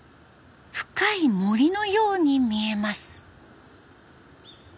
深い森のように見えます。